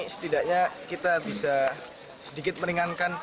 setidaknya kita bisa sedikit meringankan